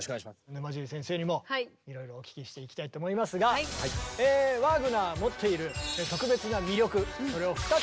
沼尻先生にもいろいろお聞きしていきたいと思いますがワーグナーが持っている特別な魅力それを２つのキーワードで迫っていきます。